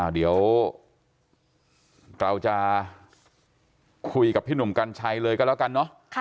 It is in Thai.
เดี๋ยวเราจะคุยกับพี่หนุ่มกัญชัยเลยก็แล้วกันเนอะ